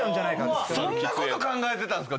そんなこと考えてたんですか